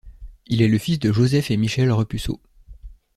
Il est le fils de Joseph et Michelle Repusseau.